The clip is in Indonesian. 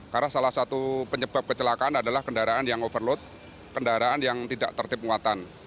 karena salah satu penyebab kecelakaan adalah kendaraan yang overload kendaraan yang tidak tertipu muatan